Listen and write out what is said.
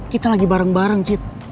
kita lagi bareng bareng cit